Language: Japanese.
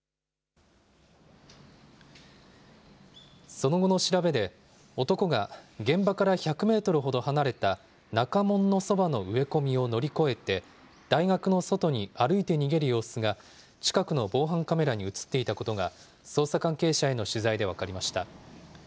その後の調べで、男が現場から１００メートルほど離れた、中門のそばの植え込みを乗り越えて、大学の外に歩いて逃げる様子が、近くの防犯カメラに写っていたことが、捜査関係者への取材で分かりました。